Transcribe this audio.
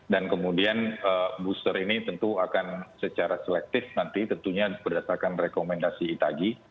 dan kemudian booster ini tentu akan secara selektif nanti tentunya berdasarkan rekomendasi itagi